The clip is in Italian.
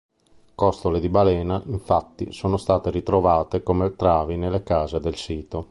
Costole di balena, infatti, sono state ritrovate come travi nelle case del sito.